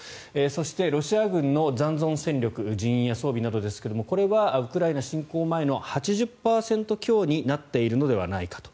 そして、ロシア軍の残存戦力人員や装備などですがこれはウクライナ侵攻前の８０％強になっているのではないかと。